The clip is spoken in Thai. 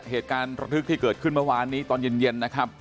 เหตุการณ์ระทึกที่เกิดขึ้นเมื่อวานนี้ตอนเย็นนะครับ